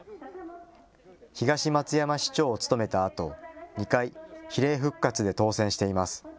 東松山市長を務めたあと、２回、比例復活で当選しています。